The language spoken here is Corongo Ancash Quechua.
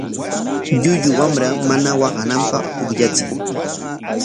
Llullu wamra mana waqananpaq pukllachiy.